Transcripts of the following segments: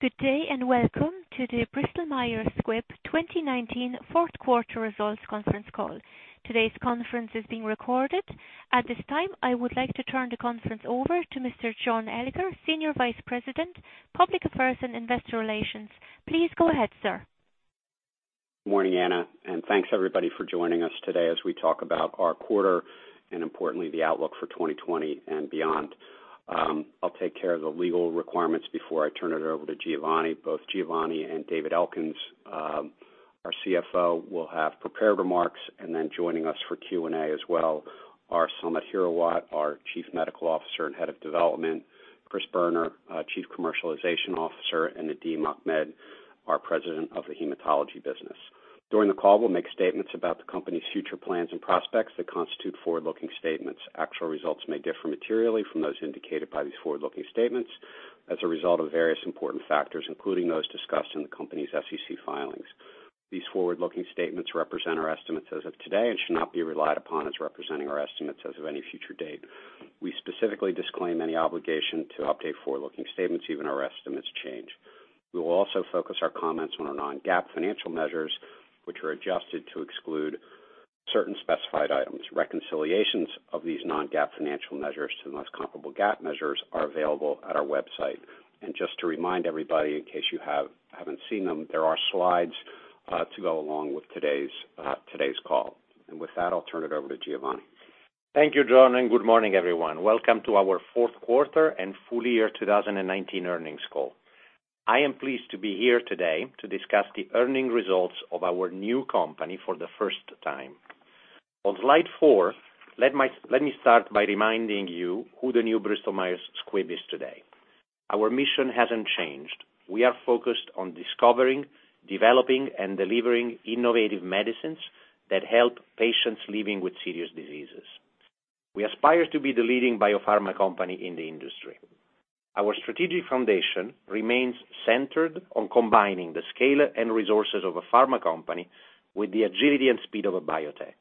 Good day, welcome to the Bristol-Myers Squibb 2019 fourth quarter results conference call. Today's conference is being recorded. At this time, I would like to turn the conference over to Mr. John Elicker, Senior Vice President, Public Affairs and Investor Relations. Please go ahead, sir. Morning, Anna, thanks, everybody, for joining us today as we talk about our quarter, importantly, the outlook for 2020 and beyond. I'll take care of the legal requirements before I turn it over to Giovanni. Both Giovanni and David Elkins, our CFO, will have prepared remarks, joining us for Q&A as well are Samit Hirawat, our Chief Medical Officer and Head of Development, Chris Boerner, our Chief Commercialization Officer, and Nadim Ahmed, our President of the Hematology Business. During the call, we'll make statements about the company's future plans and prospects that constitute forward-looking statements. Actual results may differ materially from those indicated by these forward-looking statements as a result of various important factors, including those discussed in the company's SEC filings. These forward-looking statements represent our estimates as of today should not be relied upon as representing our estimates as of any future date. We specifically disclaim any obligation to update forward-looking statements even our estimates change. We will also focus our comments on our non-GAAP financial measures, which are adjusted to exclude certain specified items. Reconciliations of these non-GAAP financial measures to the most comparable GAAP measures are available at our website. Just to remind everybody, in case you haven't seen them, there are slides to go along with today's call. With that, I'll turn it over to Giovanni. Thank you, John, and good morning, everyone. Welcome to our fourth quarter and full year 2019 earnings call. I am pleased to be here today to discuss the earnings results of our new company for the first time. On slide four, let me start by reminding you who the new Bristol-Myers Squibb is today. Our mission hasn't changed. We are focused on discovering, developing, and delivering innovative medicines that help patients living with serious diseases. We aspire to be the leading biopharma company in the industry. Our strategic foundation remains centered on combining the scale and resources of a pharma company with the agility and speed of a biotech.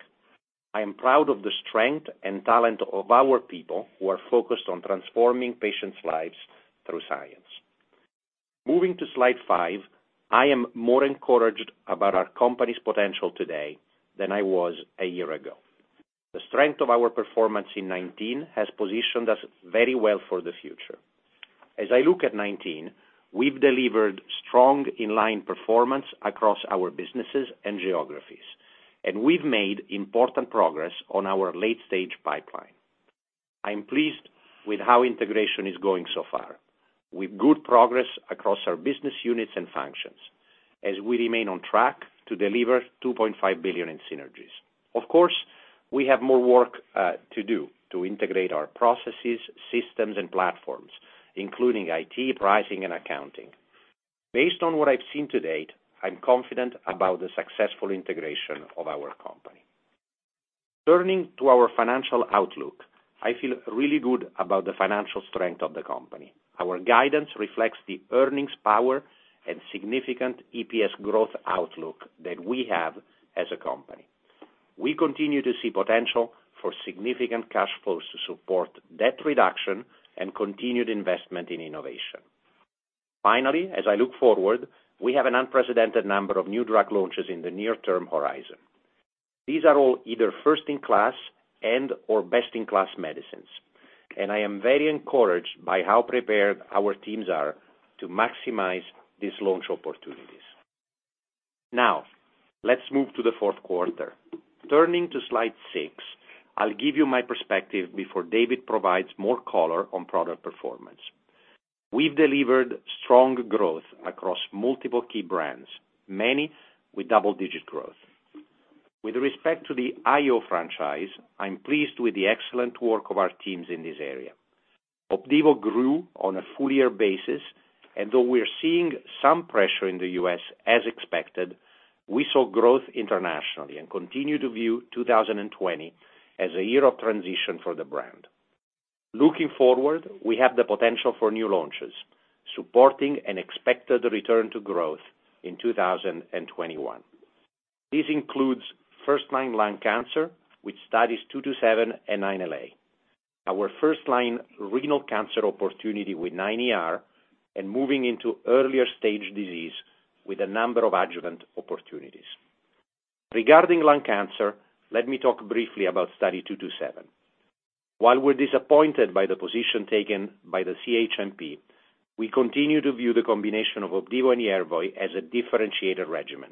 I am proud of the strength and talent of our people who are focused on transforming patients' lives through science. Moving to slide five, I am more encouraged about our company's potential today than I was a year ago. The strength of our performance in 2019 has positioned us very well for the future. As I look at 2019, we've delivered strong in-line performance across our businesses and geographies, and we've made important progress on our late-stage pipeline. I am pleased with how integration is going so far, with good progress across our business units and functions as we remain on track to deliver $2.5 billion in synergies. Of course, we have more work to do to integrate our processes, systems, and platforms, including IT, pricing, and accounting. Based on what I've seen to date, I'm confident about the successful integration of our company. Turning to our financial outlook, I feel really good about the financial strength of the company. Our guidance reflects the earnings power and significant EPS growth outlook that we have as a company. We continue to see potential for significant cash flows to support debt reduction and continued investment in innovation. Finally, as I look forward, we have an unprecedented number of new drug launches in the near-term horizon. These are all either first-in-class and/or best-in-class medicines, and I am very encouraged by how prepared our teams are to maximize these launch opportunities. Now, let's move to the fourth quarter. Turning to slide six, I'll give you my perspective before David provides more color on product performance. We've delivered strong growth across multiple key brands, many with double-digit growth. With respect to the IO franchise, I'm pleased with the excellent work of our teams in this area. Opdivo grew on a full-year basis, and though we're seeing some pressure in the U.S. as expected, we saw growth internationally and continue to view 2020 as a year of transition for the brand. Looking forward, we have the potential for new launches, supporting an expected return to growth in 2021. This includes first-line lung cancer with Studies 227 and 9LA. Our first-line renal cancer opportunity with 9ER and moving into earlier stage disease with a number of adjuvant opportunities. Regarding lung cancer, let me talk briefly about Study 227. While we're disappointed by the position taken by the CHMP, we continue to view the combination of Opdivo and Yervoy as a differentiated regimen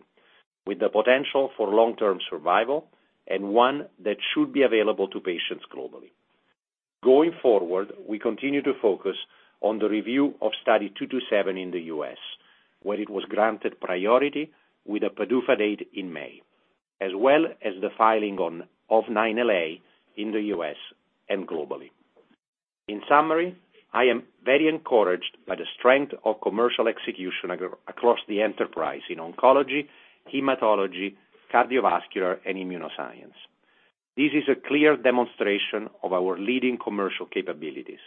with the potential for long-term survival and one that should be available to patients globally. Going forward, we continue to focus on the review of Study 227 in the U.S., where it was granted priority with a PDUFA date in May, as well as the filing of 9LA in the U.S. and globally. In summary, I am very encouraged by the strength of commercial execution across the enterprise in oncology, hematology, cardiovascular, and immunoscience. This is a clear demonstration of our leading commercial capabilities,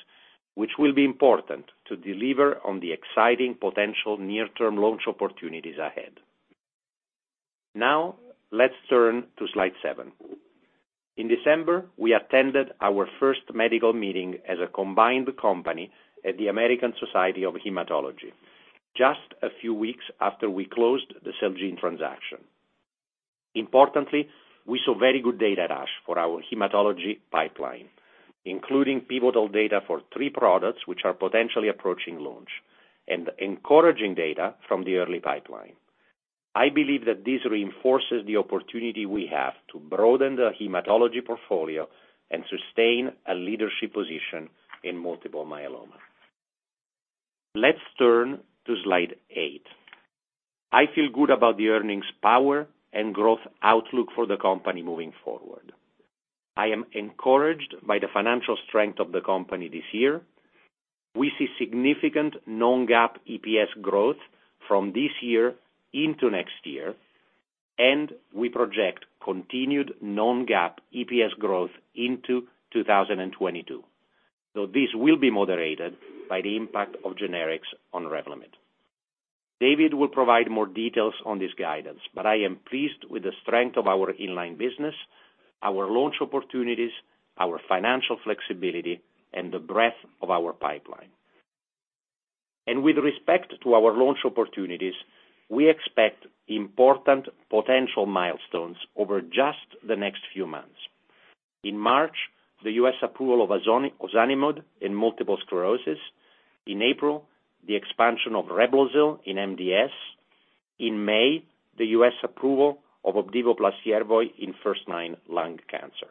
which will be important to deliver on the exciting potential near-term launch opportunities ahead. Let's turn to slide seven. In December, we attended our first medical meeting as a combined company at the American Society of Hematology, just a few weeks after we closed the Celgene transaction. We saw very good data at ASH for our hematology pipeline, including pivotal data for three products which are potentially approaching launch and encouraging data from the early pipeline. I believe that this reinforces the opportunity we have to broaden the hematology portfolio and sustain a leadership position in multiple myeloma. Let's turn to slide eight. I feel good about the earnings power and growth outlook for the company moving forward. I am encouraged by the financial strength of the company this year. We see significant non-GAAP EPS growth from this year into next year, and we project continued non-GAAP EPS growth into 2022, though this will be moderated by the impact of generics on Revlimid. David will provide more details on this guidance, but I am pleased with the strength of our inline business, our launch opportunities, our financial flexibility, and the breadth of our pipeline. With respect to our launch opportunities, we expect important potential milestones over just the next few months. In March, the U.S. approval of ozanimod in multiple sclerosis. In April, the expansion of Reblozyl in MDS. In May, the U.S. approval of Opdivo plus Yervoy in first-line lung cancer.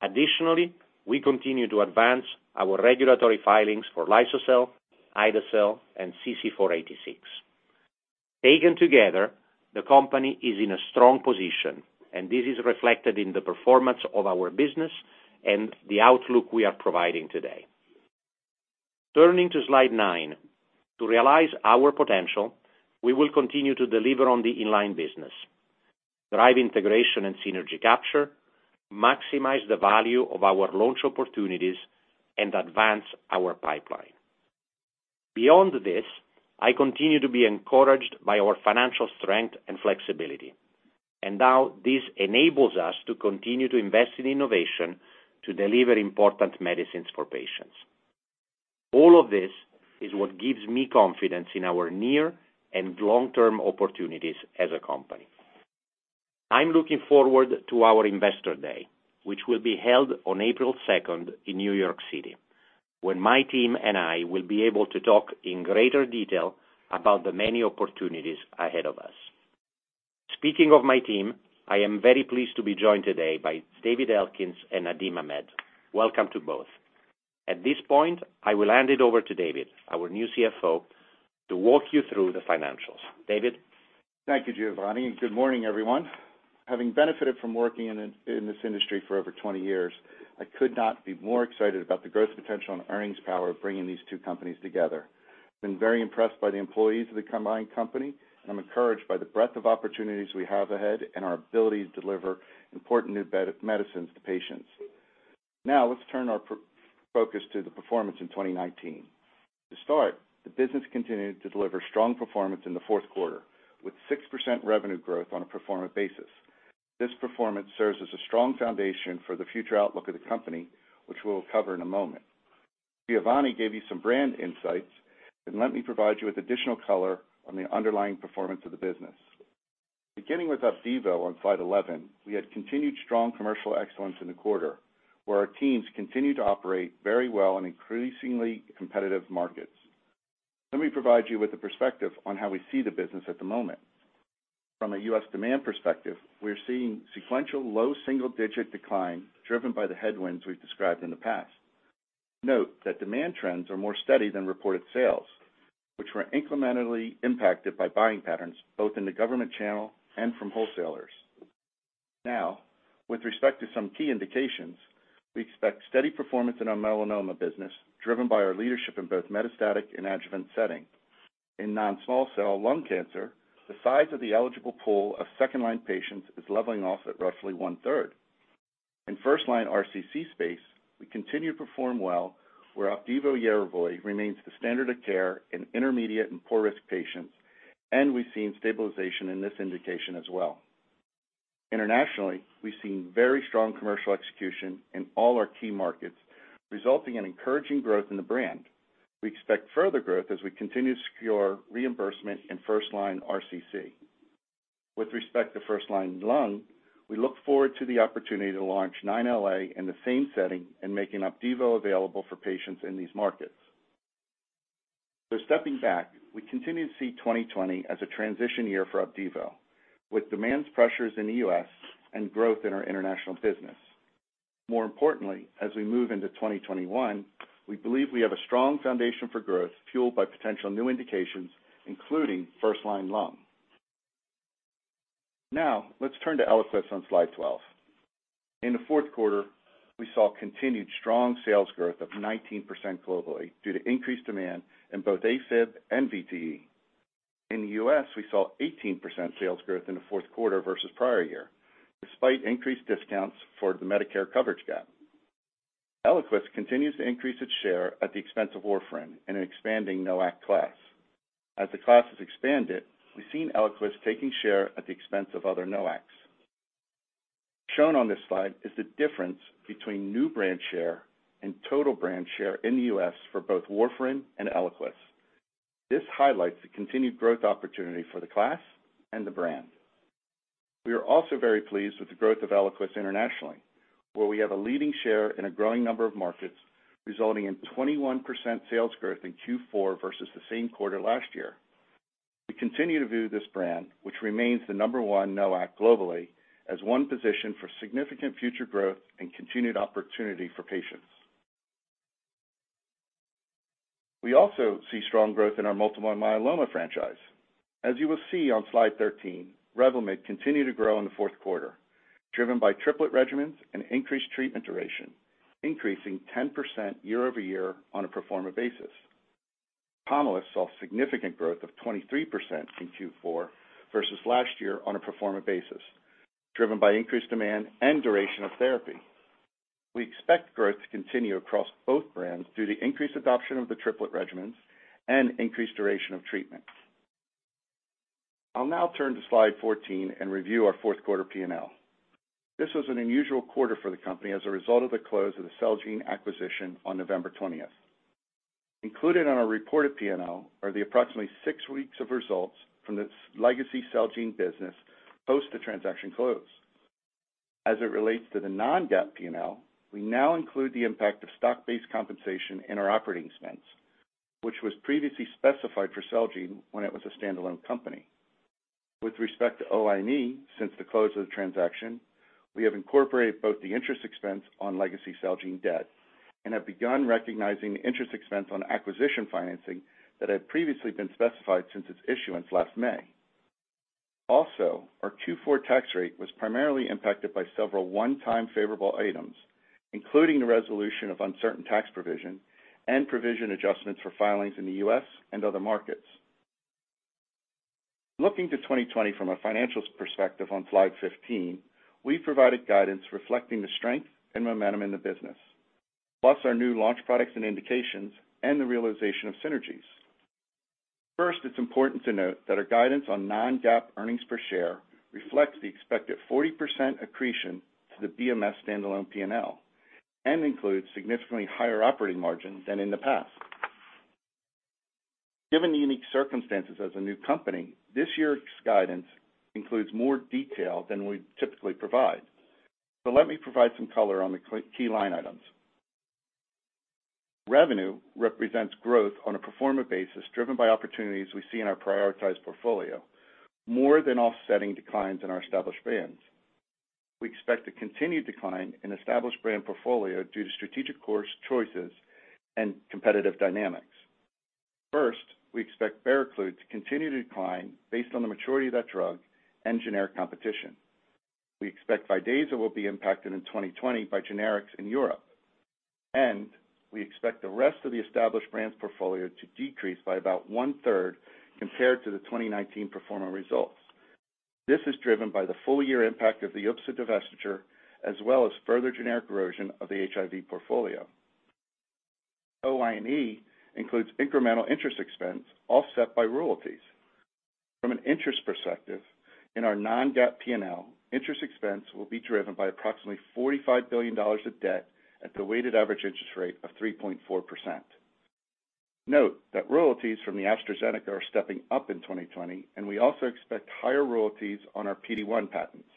Additionally, we continue to advance our regulatory filings for liso-cel, ide-cel, and CC-486. Taken together, the company is in a strong position, and this is reflected in the performance of our business and the outlook we are providing today. Turning to slide nine. To realize our potential, we will continue to deliver on the inline business, drive integration and synergy capture, maximize the value of our launch opportunities, and advance our pipeline. Beyond this, I continue to be encouraged by our financial strength and flexibility. Now this enables us to continue to invest in innovation to deliver important medicines for patients. All of this is what gives me confidence in our near and long-term opportunities as a company. I'm looking forward to our Investor Day, which will be held on April 2nd in New York City, when my team and I will be able to talk in greater detail about the many opportunities ahead of us. Speaking of my team, I am very pleased to be joined today by David Elkins and Nadim Ahmed. Welcome to both. At this point, I will hand it over to David, our new CFO, to walk you through the financials. David? Thank you, Giovanni. Good morning, everyone. Having benefited from working in this industry for over 20 years, I could not be more excited about the growth potential and earnings power of bringing these two companies together. I'm very impressed by the employees of the combined company, and I'm encouraged by the breadth of opportunities we have ahead and our ability to deliver important new medicines to patients. Let's turn our focus to the performance in 2019. To start, the business continued to deliver strong performance in the fourth quarter, with 6% revenue growth on a pro forma basis. This performance serves as a strong foundation for the future outlook of the company, which we'll cover in a moment. Giovanni gave you some brand insights. Let me provide you with additional color on the underlying performance of the business. Beginning with Opdivo on slide 11, we had continued strong commercial excellence in the quarter, where our teams continue to operate very well in increasingly competitive markets. Let me provide you with a perspective on how we see the business at the moment. From a U.S. demand perspective, we're seeing sequential low double-digit decline driven by the headwinds we've described in the past. Note that demand trends are more steady than reported sales, which were incrementally impacted by buying patterns, both in the government channel and from wholesalers. Now, with respect to some key indications, we expect steady performance in our melanoma business, driven by our leadership in both metastatic and adjuvant setting. In non-small cell lung cancer, the size of the eligible pool of second-line patients is leveling off at roughly one-third. In first-line RCC space, we continue to perform well, where Opdivo/Yervoy remains the standard of care in intermediate and poor-risk patients, and we've seen stabilization in this indication as well. Internationally, we've seen very strong commercial execution in all our key markets, resulting in encouraging growth in the brand. We expect further growth as we continue to secure reimbursement in first-line RCC. With respect to first-line lung, we look forward to the opportunity to launch 9LA in the same setting and making Opdivo available for patients in these markets. Stepping back, we continue to see 2020 as a transition year for Opdivo, with demands pressures in the U.S. and growth in our international business. More importantly, as we move into 2021, we believe we have a strong foundation for growth fueled by potential new indications, including first-line lung. Now, let's turn to Eliquis on slide 12. In the fourth quarter, we saw continued strong sales growth of 19% globally due to increased demand in both AFib and VTE. In the U.S., we saw 18% sales growth in the fourth quarter versus prior year, despite increased discounts for the Medicare coverage gap. Eliquis continues to increase its share at the expense of warfarin in an expanding NOAC class. As the class has expanded, we've seen Eliquis taking share at the expense of other NOACs. Shown on this slide is the difference between new brand share and total brand share in the U.S. for both warfarin and Eliquis. This highlights the continued growth opportunity for the class and the brand. We are also very pleased with the growth of Eliquis internationally, where we have a leading share in a growing number of markets, resulting in 21% sales growth in Q4 versus the same quarter last year. We continue to view this brand, which remains the number one NOAC globally, as one positioned for significant future growth and continued opportunity for patients. We also see strong growth in our multiple myeloma franchise. As you will see on slide 13, Revlimid continued to grow in the fourth quarter, driven by triplet regimens and increased treatment duration, increasing 10% year-over-year on a pro forma basis. Pomalyst saw significant growth of 23% in Q4 versus last year on a pro forma basis, driven by increased demand and duration of therapy. We expect growth to continue across both brands due to increased adoption of the triplet regimens and increased duration of treatment. I'll now turn to slide 14 and review our fourth quarter P&L. This was an unusual quarter for the company as a result of the close of the Celgene acquisition on November 20th. Included on our reported P&L are the approximately six weeks of results from the legacy Celgene business post the transaction close. As it relates to the non-GAAP P&L, we now include the impact of stock-based compensation in our operating expense, which was previously specified for Celgene when it was a standalone company. With respect to OIE, since the close of the transaction, we have incorporated both the interest expense on legacy Celgene debt and have begun recognizing the interest expense on acquisition financing that had previously been specified since its issuance last May. Our Q4 tax rate was primarily impacted by several one-time favorable items, including the resolution of uncertain tax provision and provision adjustments for filings in the U.S. and other markets. Looking to 2020 from a financial perspective on slide 15, we've provided guidance reflecting the strength and momentum in the business, plus our new launch products and indications and the realization of synergies. First, it's important to note that our guidance on non-GAAP earnings per share reflects the expected 40% accretion to the BMS standalone P&L and includes significantly higher operating margin than in the past. Given the unique circumstances as a new company, this year's guidance includes more detail than we typically provide, but let me provide some color on the key line items. Revenue represents growth on a pro forma basis driven by opportunities we see in our prioritized portfolio, more than offsetting declines in our established brands. We expect a continued decline in established brand portfolio due to strategic choices and competitive dynamics. First, we expect Baraclude to continue to decline based on the maturity of that drug and generic competition. We expect Vidaza will be impacted in 2020 by generics in Europe, and we expect the rest of the established brands portfolio to decrease by about one-third compared to the 2019 pro forma results. This is driven by the full year impact of the UPSA divestiture, as well as further generic erosion of the HIV portfolio. OIE includes incremental interest expense offset by royalties. From an interest perspective, in our non-GAAP P&L, interest expense will be driven by approximately $45 billion of debt at the weighted average interest rate of 3.4%. Note that royalties from the AstraZeneca are stepping up in 2020, and we also expect higher royalties on our PD-1 patents.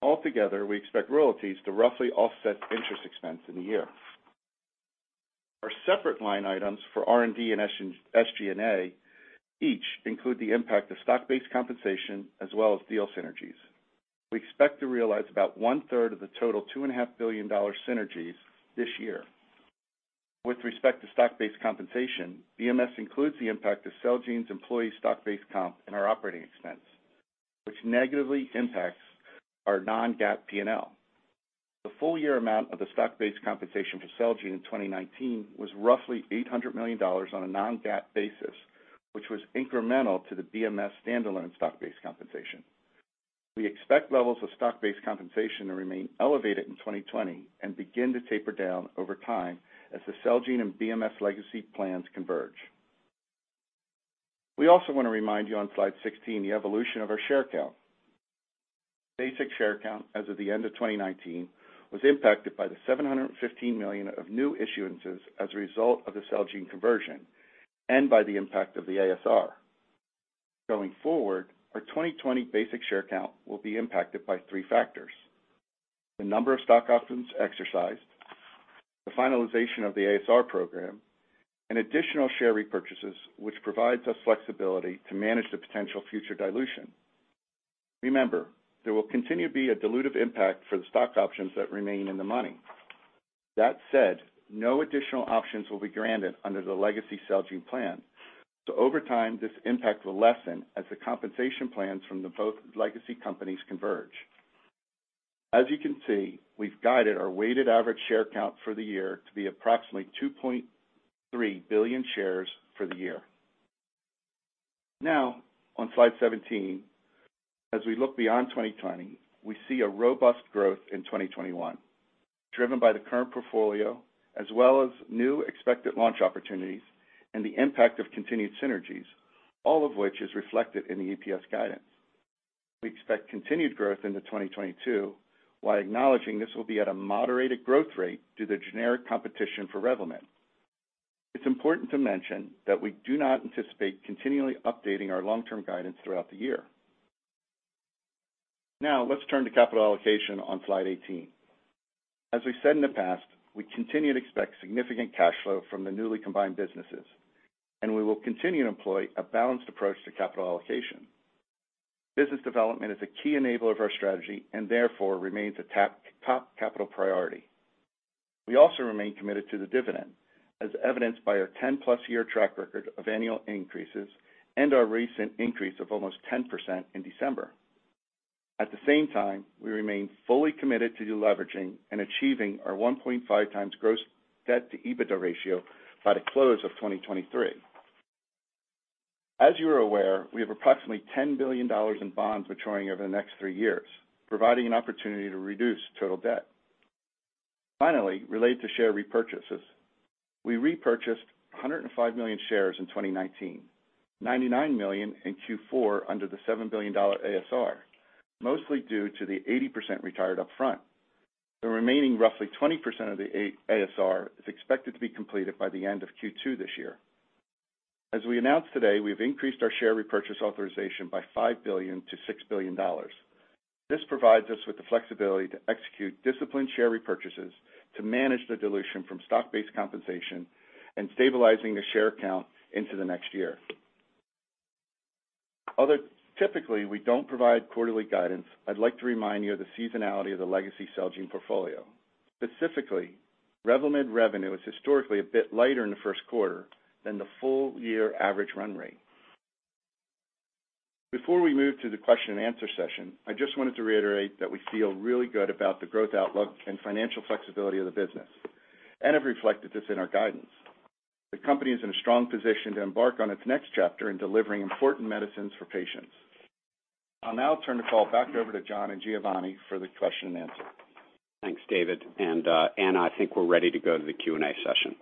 Altogether, we expect royalties to roughly offset interest expense in the year. Our separate line items for R&D and SG&A each include the impact of stock-based compensation as well as deal synergies. We expect to realize about one-third of the total $2.5 billion synergies this year. With respect to stock-based compensation, BMS includes the impact of Celgene's employee stock-based comp in our operating expense, which negatively impacts our non-GAAP P&L. The full year amount of the stock-based compensation for Celgene in 2019 was roughly $800 million on a non-GAAP basis, which was incremental to the BMS standalone stock-based compensation. We expect levels of stock-based compensation to remain elevated in 2020 and begin to taper down over time as the Celgene and BMS legacy plans converge. We also want to remind you on slide 16 the evolution of our share count. Basic share count as of the end of 2019 was impacted by the $715 million of new issuances as a result of the Celgene conversion and by the impact of the ASR. Going forward, our 2020 basic share count will be impacted by three factors. The number of stock options exercised, the finalization of the ASR program, and additional share repurchases, which provides us flexibility to manage the potential future dilution. Remember, there will continue to be a dilutive impact for the stock options that remain in the money. That said, no additional options will be granted under the legacy Celgene plan. Over time, this impact will lessen as the compensation plans from both legacy companies converge. As you can see, we've guided our weighted average share count for the year to be approximately 2.3 billion shares for the year. On slide 17, as we look beyond 2020, we see a robust growth in 2021, driven by the current portfolio as well as new expected launch opportunities and the impact of continued synergies, all of which is reflected in the EPS guidance. We expect continued growth into 2022, while acknowledging this will be at a moderated growth rate due to generic competition for Revlimid. It's important to mention that we do not anticipate continually updating our long-term guidance throughout the year. Let's turn to capital allocation on slide 18. As we said in the past, we continue to expect significant cash flow from the newly combined businesses, and we will continue to employ a balanced approach to capital allocation. Business development is a key enabler of our strategy and therefore remains a top capital priority. We also remain committed to the dividend, as evidenced by our 10-plus year track record of annual increases and our recent increase of almost 10% in December. At the same time, we remain fully committed to deleveraging and achieving our 1.5 times gross debt to EBITDA ratio by the close of 2023. As you are aware, we have approximately $10 billion in bonds maturing over the next three years, providing an opportunity to reduce total debt. Finally, related to share repurchases. We repurchased 105 million shares in 2019, 99 million in Q4 under the $7 billion ASR, mostly due to the 80% retired upfront. The remaining roughly 20% of the ASR is expected to be completed by the end of Q2 this year. As we announced today, we've increased our share repurchase authorization by $5 billion to $6 billion. This provides us with the flexibility to execute disciplined share repurchases to manage the dilution from stock-based compensation and stabilizing the share count into the next year. Although typically we don't provide quarterly guidance, I'd like to remind you of the seasonality of the legacy Celgene portfolio. Specifically, Revlimid revenue is historically a bit lighter in the first quarter than the full year average run rate. Before we move to the question and answer session, I just wanted to reiterate that we feel really good about the growth outlook and financial flexibility of the business and have reflected this in our guidance. The company is in a strong position to embark on its next chapter in delivering important medicines for patients. I'll now turn the call back over to John and Giovanni for the question and answer. Thanks, David. Anna, I think we're ready to go to the Q&A session.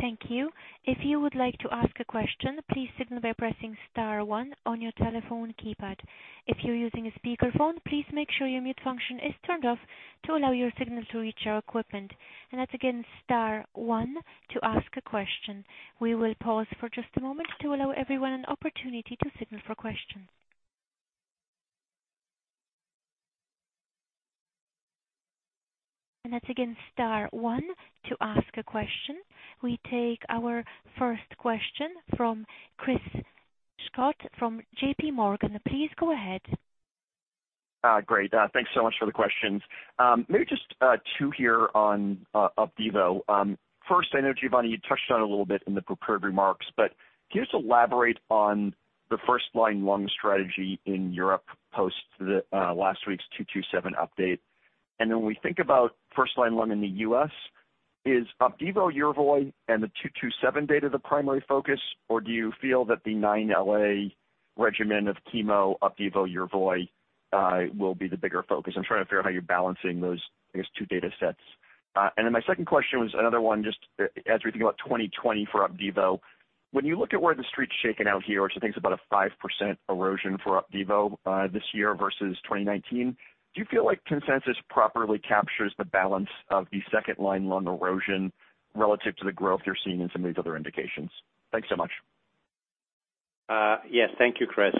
Thank you. If you would like to ask a question, please signal by pressing star one on your telephone keypad. If you're using a speakerphone, please make sure your mute function is turned off to allow your signal to reach our equipment. That's again star one to ask a question. We will pause for just a moment to allow everyone an opportunity to signal for questions. That's again star one to ask a question. We take our first question from Chris Schott from J.P. Morgan. Please go ahead. Great. Thanks so much for the questions. Maybe just two here on Opdivo. First, I know, Giovanni, you touched on it a little bit in the prepared remarks, but can you just elaborate on the first-line lung strategy in Europe post last week's 227 update? When we think about first-line lung in the U.S., is Opdivo, Yervoy, and the 227 data the primary focus, or do you feel that the 9LA regimen of chemo Opdivo, Yervoy will be the bigger focus? I'm trying to figure out how you're balancing those, I guess, two data sets. My second question was another one just as we think about 2020 for Opdivo. When you look at where the street's shaken out here, thinks about a 5% erosion for Opdivo this year versus 2019, do you feel like consensus properly captures the balance of the second-line lung erosion relative to the growth you're seeing in some of these other indications? Thanks so much. Yes. Thank you, Chris.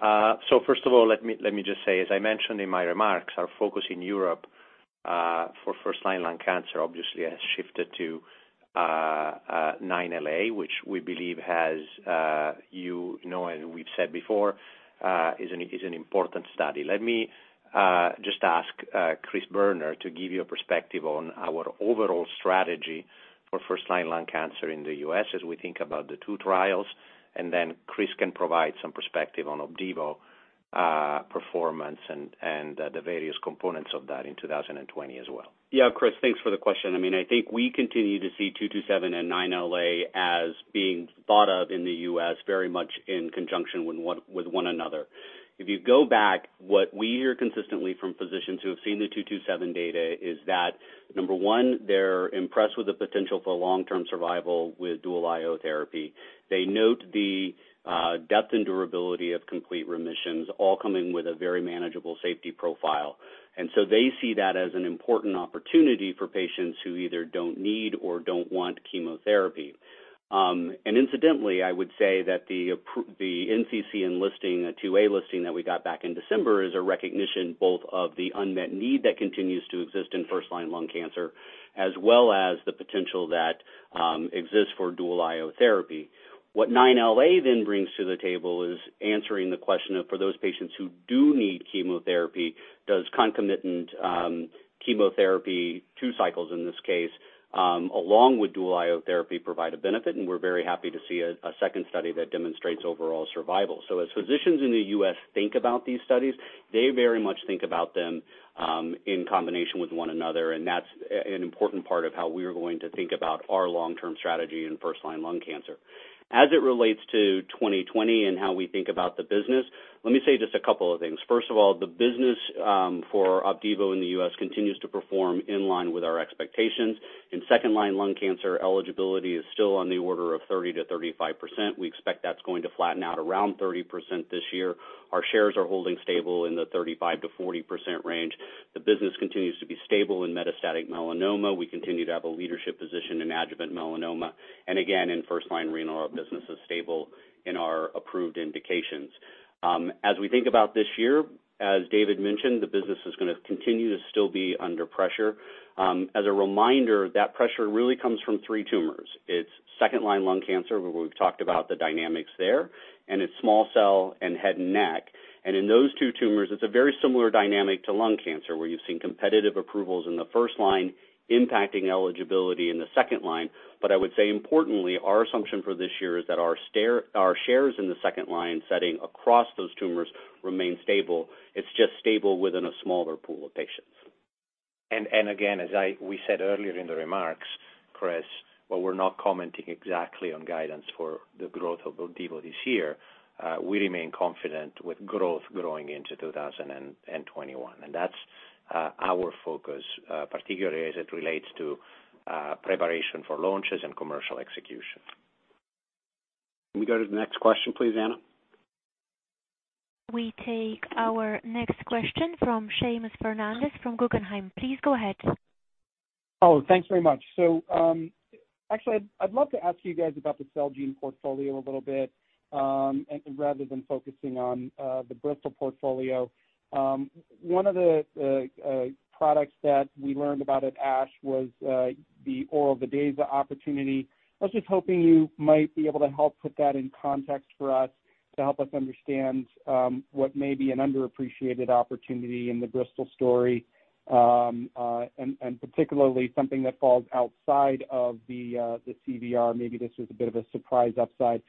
First of all, let me just say, as I mentioned in my remarks, our focus in Europe for first-line lung cancer obviously has shifted to 9LA, which we believe has, you know, and we've said before is an important study. Let me just ask Christopher Boerner to give you a perspective on our overall strategy for first-line lung cancer in the U.S. as we think about the two trials, and then Chris can provide some perspective on Opdivo performance and the various components of that in 2020 as well. Yeah, Chris, thanks for the question. I think we continue to see 227 and 9LA as being thought of in the U.S. very much in conjunction with one another. If you go back, what we hear consistently from physicians who have seen the 227 data is that, number one, they're impressed with the potential for long-term survival with dual IO therapy. They note the depth and durability of complete remissions, all coming with a very manageable safety profile. They see that as an important opportunity for patients who either don't need or don't want chemotherapy. Incidentally, I would say that the NCCN enlisting, a 2A enlisting that we got back in December is a recognition both of the unmet need that continues to exist in first-line lung cancer, as well as the potential that exists for dual IO therapy. What 9LA brings to the table is answering the question of, for those patients who do need chemotherapy, does concomitant chemotherapy, two cycles in this case, along with dual IO therapy, provide a benefit? We're very happy to see a second study that demonstrates overall survival. As physicians in the U.S. think about these studies, they very much think about them in combination with one another, and that's an important part of how we are going to think about our long-term strategy in first-line lung cancer. As it relates to 2020 and how we think about the business, let me say just a couple of things. First of all, the business for Opdivo in the U.S. continues to perform in line with our expectations. In second-line lung cancer, eligibility is still on the order of 30%-35%. We expect that's going to flatten out around 30% this year. Our shares are holding stable in the 35%-40% range. The business continues to be stable in metastatic melanoma. We continue to have a leadership position in adjuvant melanoma. Again, in first-line renal, our business is stable in our approved indications. As we think about this year, as David mentioned, the business is going to continue to still be under pressure. As a reminder, that pressure really comes from three tumors. It's second-line lung cancer, where we've talked about the dynamics there, and it's small cell and head and neck. In those two tumors, it's a very similar dynamic to lung cancer, where you've seen competitive approvals in the first line impacting eligibility in the second line. I would say importantly, our assumption for this year is that our shares in the second line setting across those tumors remain stable. It's just stable within a smaller pool of patients. Again, as we said earlier in the remarks, Chris, while we're not commenting exactly on guidance for the growth of Opdivo this year, we remain confident with growth going into 2021. That's our focus, particularly as it relates to preparation for launches and commercial execution. Can we go to the next question please, Anna? We take our next question from Seamus Fernandez from Guggenheim. Please go ahead. Thanks very much. Actually, I'd love to ask you guys about the Celgene portfolio a little bit, rather than focusing on the Bristol portfolio. One of the products that we learned about at ASH was the oral Vidaza opportunity. I was just hoping you might be able to help put that in context for us to help us understand what may be an underappreciated opportunity in the Bristol story, and particularly something that falls outside of the CVR. Maybe this was a bit of a surprise upside.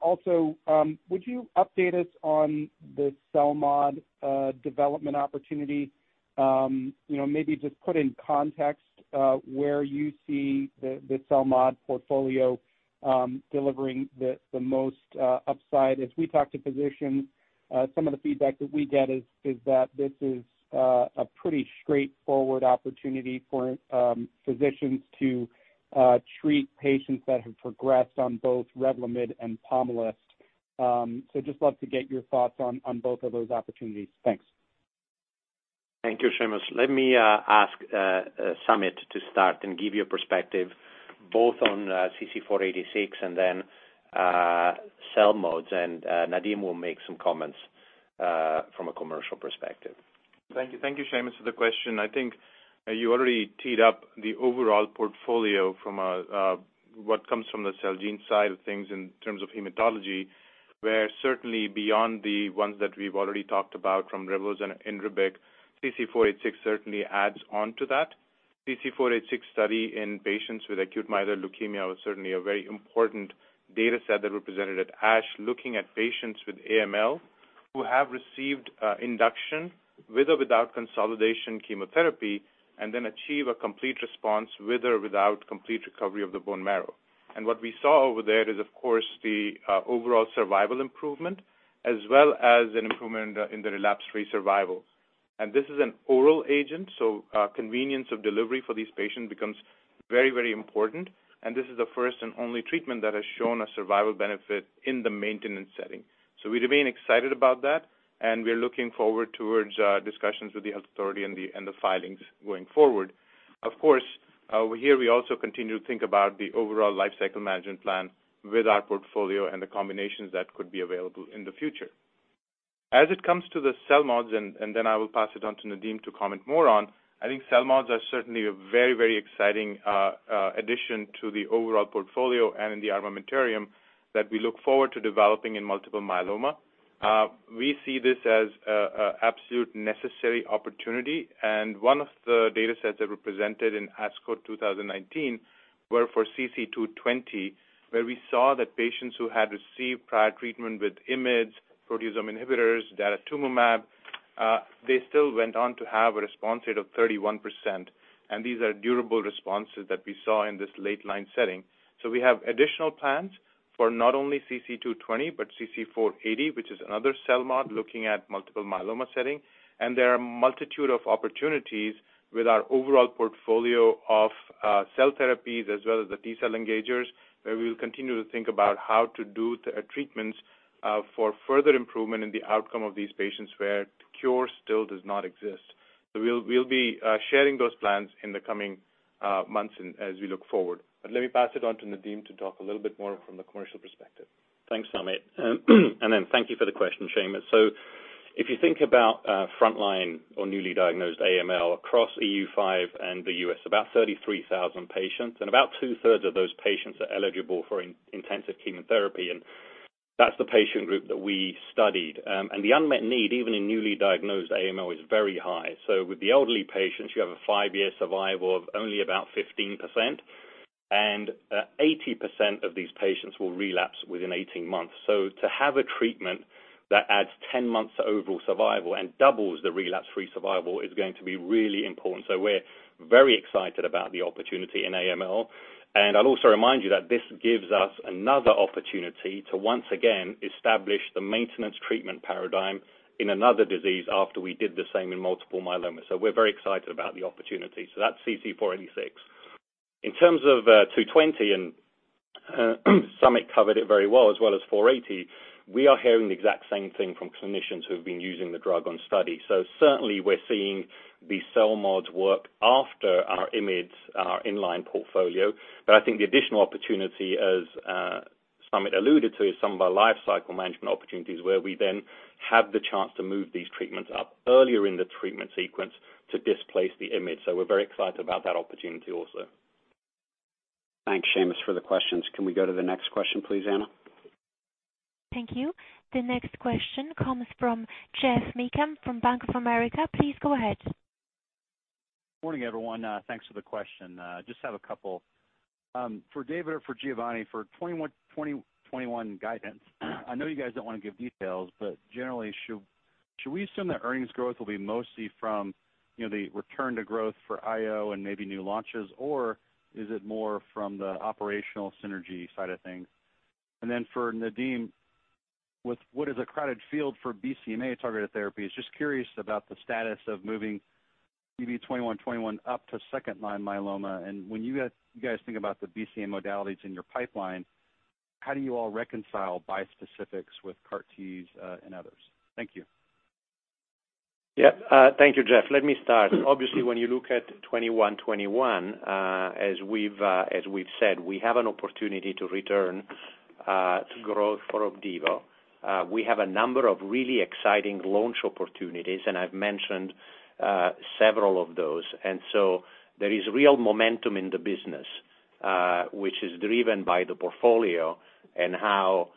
Also, would you update us on the CELMoD development opportunity? Maybe just put in context where you see the CELMoD portfolio delivering the most upside. As we talk to physicians, some of the feedback that we get is that this is a pretty straightforward opportunity for physicians to treat patients that have progressed on both Revlimid and Pomalyst. Just love to get your thoughts on both of those opportunities. Thanks. Thank you, Seamus. Let me ask Samit to start and give you a perspective both on CC-486 and then CELMoDs, and Nadim will make some comments from a commercial perspective. Thank you, Seamus, for the question. I think you already teed up the overall portfolio from what comes from the Celgene side of things in terms of hematology, where certainly beyond the ones that we've already talked about from Reblozyl and Inrebic, CC-486 certainly adds on to that. CC-486 study in patients with acute myeloid leukemia was certainly a very important data set that represented ASH looking at patients with AML who have received induction with or without consolidation chemotherapy, and then achieve a complete response with or without complete recovery of the bone marrow. What we saw over there is, of course, the overall survival improvement, as well as an improvement in the relapse-free survival. This is an oral agent, so convenience of delivery for these patients becomes very important. This is the first and only treatment that has shown a survival benefit in the maintenance setting. We remain excited about that, and we are looking forward towards discussions with the health authority and the filings going forward. Of course, here we also continue to think about the overall lifecycle management plan with our portfolio and the combinations that could be available in the future. As it comes to the CELMoDs, and then I will pass it on to Nadim to comment more on, I think CELMoDs are certainly a very exciting addition to the overall portfolio and in the armamentarium that we look forward to developing in multiple myeloma. We see this as an absolute necessary opportunity, and one of the data sets that were presented in ASCO 2019 were for CC220, where we saw that patients who had received prior treatment with IMiDs, proteasome inhibitors, daratumumab, they still went on to have a response rate of 31%. These are durable responses that we saw in this late-line setting. We have additional plans for not only CC220, but CC480, which is another CELMoD looking at multiple myeloma setting. There are a multitude of opportunities with our overall portfolio of cell therapies as well as the T-cell engagers, where we'll continue to think about how to do treatments for further improvement in the outcome of these patients where cure still does not exist. We'll be sharing those plans in the coming months and as we look forward. Let me pass it on to Nadim to talk a little bit more from the commercial perspective. Thanks, Samit. Thank you for the question, Seamus. If you think about frontline or newly diagnosed AML across EU5 and the U.S., about 33,000 patients, and about two-thirds of those patients are eligible for intensive chemotherapy, and that's the patient group that we studied. The unmet need, even in newly diagnosed AML, is very high. With the elderly patients, you have a five-year survival of only about 15%, and 80% of these patients will relapse within 18 months. To have a treatment that adds 10 months to overall survival and doubles the relapse-free survival is going to be really important. We're very excited about the opportunity in AML, and I'll also remind you that this gives us another opportunity to once again establish the maintenance treatment paradigm in another disease after we did the same in multiple myeloma. We're very excited about the opportunity. That's CC-486. In terms of CC-220, and Samit covered it very well, as well as CC-480, we are hearing the exact same thing from clinicians who have been using the drug on study. Certainly, we're seeing the CELMoDs work after our IMiDs, our inline portfolio. I think the additional opportunity, as Samit alluded to, is some of our lifecycle management opportunities where we then have the chance to move these treatments up earlier in the treatment sequence to displace the IMiD. We're very excited about that opportunity also. Thanks, Seamus, for the questions. Can we go to the next question, please, Anna? Thank you. The next question comes from Geoff Meacham from Bank of America. Please go ahead. Morning, everyone. Thanks for the question. Just have a couple. For David or for Giovanni, for 2021 guidance, I know you guys don't want to give details, but generally, should we assume that earnings growth will be mostly from the return to growth for IO and maybe new launches, or is it more from the operational synergy side of things? For Nadim, with what is a crowded field for BCMA-targeted therapies, just curious about the status of moving bb2121 up to second-line myeloma. When you guys think about the BCMA modalities in your pipeline, how do you all reconcile bispecifics with CAR Ts and others? Thank you. Thank you, Geoff. Let me start. Obviously, when you look at 2021, as we've said, we have an opportunity to return to growth for Opdivo. We have a number of really exciting launch opportunities, and I've mentioned several of those. There is real momentum in the business, which is driven by the portfolio and how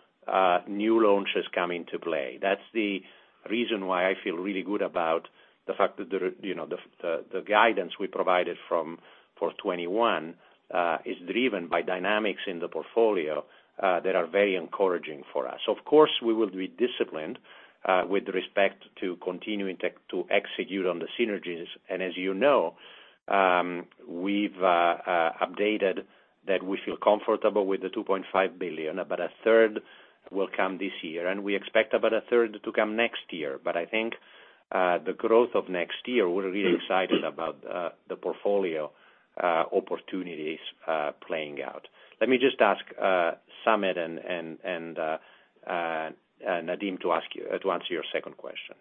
new launches come into play. That's the reason why I feel really good about the fact that the guidance we provided for 2021 is driven by dynamics in the portfolio that are very encouraging for us. Of course, we will be disciplined with respect to continuing to execute on the synergies. As you know, we've updated that we feel comfortable with the $2.5 billion, about a third will come this year, and we expect about a third to come next year. I think the growth of next year, we're really excited about the portfolio opportunities playing out. Let me just ask Samit and Nadim to answer your second question.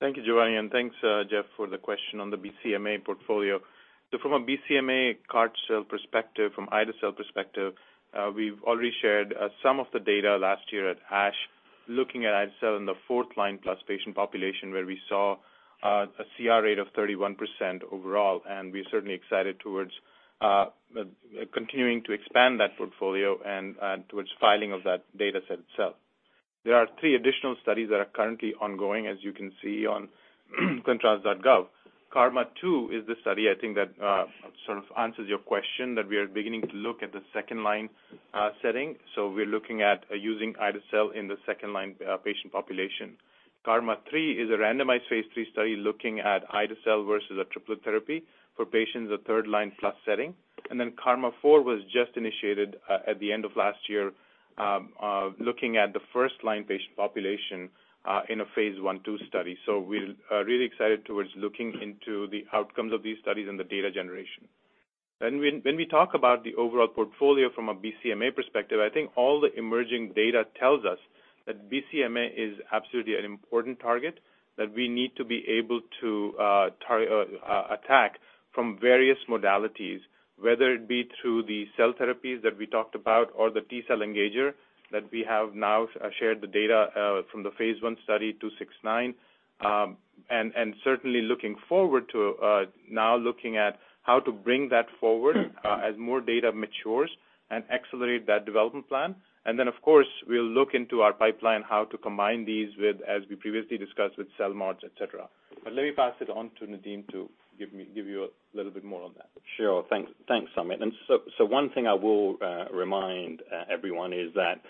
Thank you, Giovanni, and thanks, Geoff, for the question on the BCMA portfolio. From a BCMA CAR T perspective, from ide-cel perspective, we've already shared some of the data last year at ASH looking at ide-cel in the fourth-line-plus patient population where we saw a CR rate of 31% overall. We're certainly excited towards continuing to expand that portfolio and towards filing of that data set itself. There are three additional studies that are currently ongoing, as you can see on clinicaltrials.gov. KarMMa-2 is the study, I think that sort of answers your question, that we are beginning to look at the second-line setting. We're looking at using ide-cel in the second-line patient population. KarMMa-3 is a randomized phase III study looking at ide-cel versus a triplet therapy for patients at third-line-plus setting. KarMMa-4 was just initiated at the end of last year, looking at the first-line patient population in a phase I/II study. We're really excited towards looking into the outcomes of these studies and the data generation. When we talk about the overall portfolio from a BCMA perspective, I think all the emerging data tells us that BCMA is absolutely an important target that we need to be able to attack from various modalities, whether it be through the cell therapies that we talked about or the T-cell engager that we have now shared the data from the phase I study 269. Certainly looking forward to now looking at how to bring that forward as more data matures and accelerate that development plan. Of course, we'll look into our pipeline, how to combine these with, as we previously discussed, with CELMoDs, et cetera. Let me pass it on to Nadim to give you a little bit more on that. Sure. Thanks, Samit. One thing I will remind everyone is that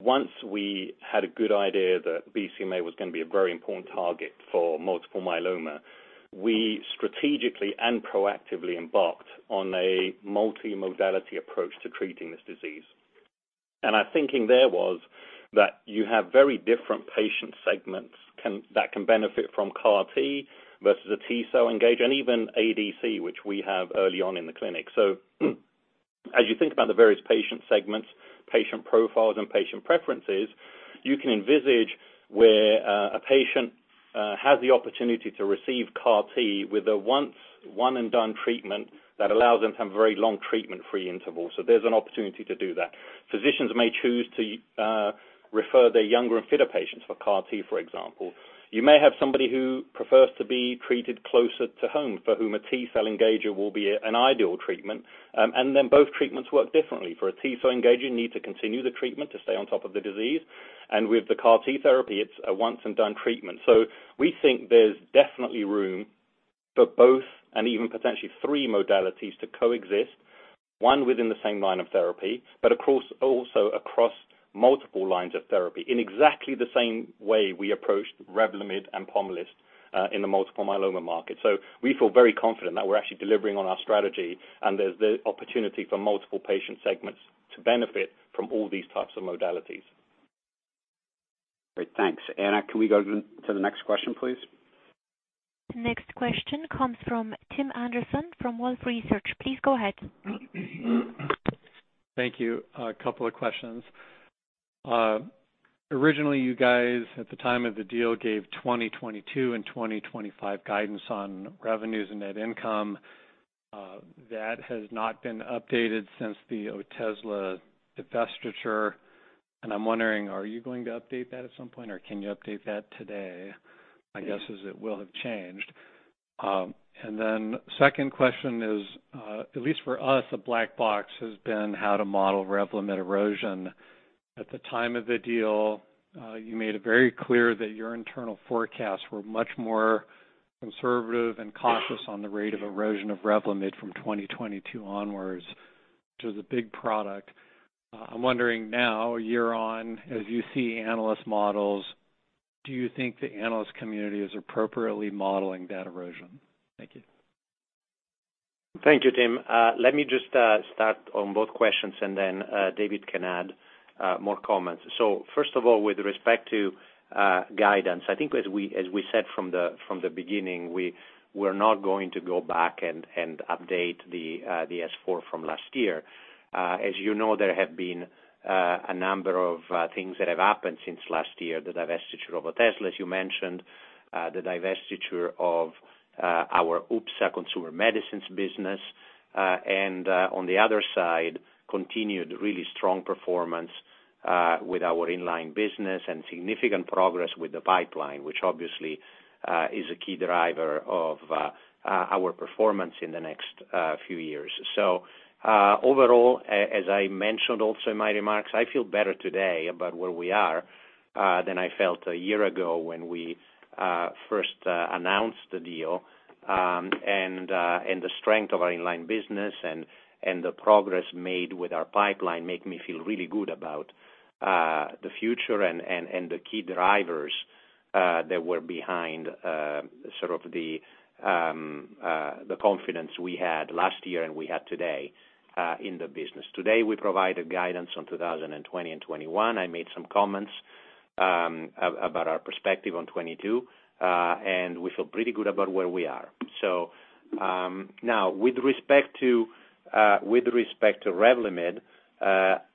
once we had a good idea that BCMA was going to be a very important target for multiple myeloma, we strategically and proactively embarked on a multimodality approach to treating this disease. Our thinking there was that you have very different patient segments that can benefit from CAR T versus a T-cell engager, and even ADC, which we have early on in the clinic. As you think about the various patient segments, patient profiles, and patient preferences, you can envisage where a patient has the opportunity to receive CAR T with a one-and-done treatment that allows them to have a very long treatment-free interval. There's an opportunity to do that. Physicians may choose to refer their younger and fitter patients for CAR T, for example. You may have somebody who prefers to be treated closer to home for whom a T-cell engager will be an ideal treatment. Both treatments work differently. For a T-cell engager, you need to continue the treatment to stay on top of the disease. With the CAR T therapy, it's a once-and-done treatment. We think there's definitely room for both, and even potentially three modalities to coexist, one within the same line of therapy, but of course, also across multiple lines of therapy in exactly the same way we approached Revlimid and Pomalyst in the multiple myeloma market. We feel very confident that we're actually delivering on our strategy, and there's the opportunity for multiple patient segments to benefit from all these types of modalities. Great. Thanks. Anna, can we go to the next question, please? Next question comes from Tim Anderson from Wolfe Research. Please go ahead. Thank you. A couple of questions. At the time of the deal, you guys gave 2022 and 2025 guidance on revenues and net income. That has not been updated since the Otezla divestiture. I'm wondering, are you going to update that at some point, or can you update that today? I guess as it will have changed. Second question is, at least for us, a black box has been how to model Revlimid erosion. At the time of the deal, you made it very clear that your internal forecasts were much more conservative and cautious on the rate of erosion of Revlimid from 2022 onwards, which is a big product. I'm wondering now, a year on, as you see analyst models, do you think the analyst community is appropriately modeling that erosion? Thank you. Thank you, Tim. Let me just start on both questions, and then David can add more comments. First of all, with respect to guidance, I think as we said from the beginning, we were not going to go back and update the S-4 from last year. As you know, there have been a number of things that have happened since last year, the divestiture of Otezla, as you mentioned, the divestiture of our UPSA consumer medicines business. On the other side, continued really strong performance with our in-line business and significant progress with the pipeline, which obviously is a key driver of our performance in the next few years. Overall, as I mentioned also in my remarks, I feel better today about where we are than I felt a year ago when we first announced the deal. The strength of our in-line business and the progress made with our pipeline make me feel really good about the future and the key drivers that were behind the confidence we had last year and we have today in the business. Today, we provided guidance on 2020 and 2021. I made some comments about our perspective on 2022. We feel pretty good about where we are. Now with respect to Revlimid,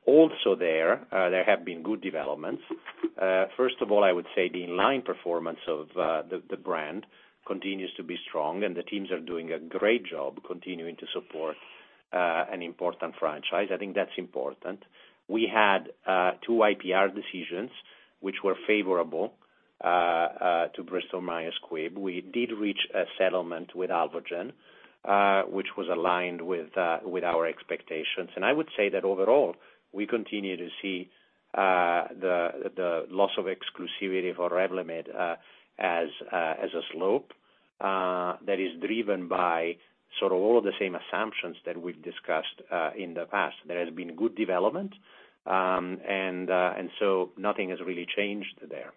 also there have been good developments. First of all, I would say the in-line performance of the brand continues to be strong, and the teams are doing a great job continuing to support an important franchise. I think that's important. We had two IPR decisions which were favorable to Bristol-Myers Squibb. We did reach a settlement with Alvogen which was aligned with our expectations. I would say that overall, we continue to see the loss of exclusivity for Revli, id as a slope that is driven by all of the same assumptions that we've discussed in the past. There has been good development, and so nothing has really changed there.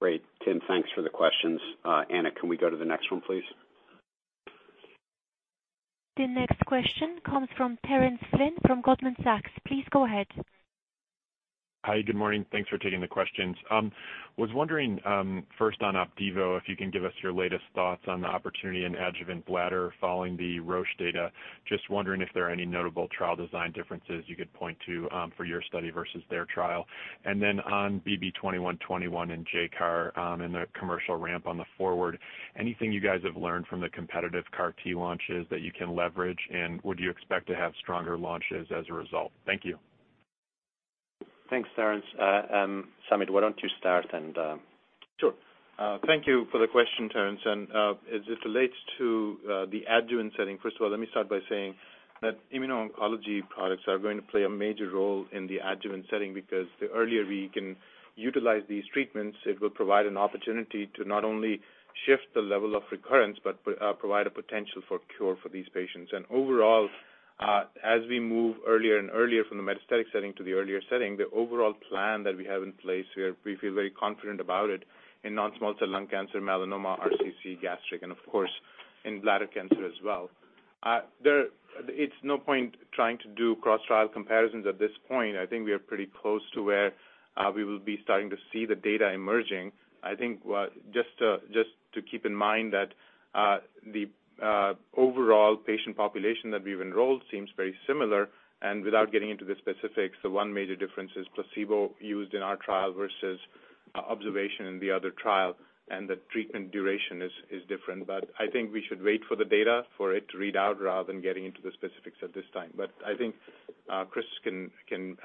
Great. Tim, thanks for the questions. Anna, can we go to the next one, please? The next question comes from Terence Flynn from Goldman Sachs. Please go ahead. Hi. Good morning. Thanks for taking the questions. I was wondering first on Opdivo, if you can give us your latest thoughts on the opportunity in adjuvant bladder following the Roche data. I was just wondering if there are any notable trial design differences you could point to for your study versus their trial. On bb2121 and JCAR017 and the commercial ramp on the forward, anything you guys have learned from the competitive CAR T launches that you can leverage, and would you expect to have stronger launches as a result? Thank you. Thanks, Terence. Samit, why don't you start and Sure. Thank you for the question, Terence. As it relates to the adjuvant setting, first of all, let me start by saying that immuno-oncology products are going to play a major role in the adjuvant setting because the earlier we can utilize these treatments, it will provide an opportunity to not only shift the level of recurrence, but provide a potential for cure for these patients. Overall, as we move earlier and earlier from the metastatic setting to the earlier setting, the overall plan that we have in place, we feel very confident about it in non-small cell lung cancer, melanoma, RCC, gastric, and of course, in bladder cancer as well. It's no point trying to do cross trial comparisons at this point. I think we are pretty close to where we will be starting to see the data emerging. I think just to keep in mind that the overall patient population that we've enrolled seems very similar, and without getting into the specifics, the one major difference is placebo used in our trial versus observation in the other trial, and the treatment duration is different. I think Chris can